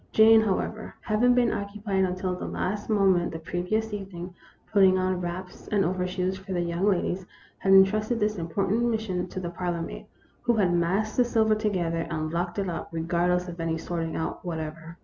Jane, however, having been occupied until the last moment the previous evening, putting on wraps and overshoes for the young ladies, had en trusted this important mission to the parlor maid, who had massed the silver together, and locked it up, regardless of any sorting out whatever.